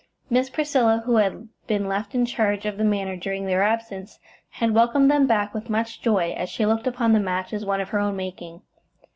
Miss Priscilla, who had been left in charge of the Manor during their absence, had welcomed them back with much joy, as she looked upon the match as one of her own making.